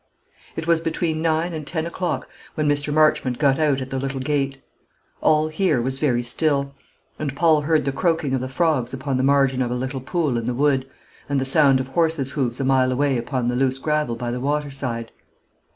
It was between nine and ten o'clock when Mr. Marchmont got out at the little gate. All here was very still; and Paul heard the croaking of the frogs upon the margin of a little pool in the wood, and the sound of horses' hoofs a mile away upon the loose gravel by the water side.